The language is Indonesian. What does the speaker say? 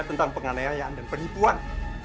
tentang penganayayaan dan penipuan